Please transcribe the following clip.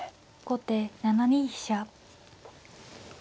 後手７二飛車。